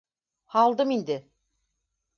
Һалдым инде.